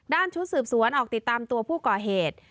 ชุดสืบสวนออกติดตามตัวผู้ก่อเหตุ